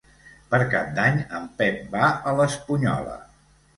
Per Cap d'Any en Pep va a l'Espunyola.